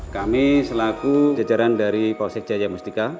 kami selaku jajaran dari polsek jaya mustika